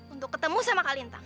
untuk ketemu sama kalintang